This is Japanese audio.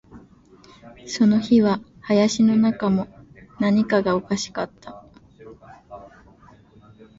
その日は林の中も、何かがおかしかった